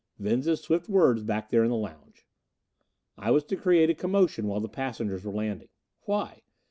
Venza's swift words back there in the lounge. I was to create a commotion while the passengers were landing. Why?